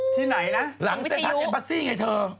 ที่ไหนนะ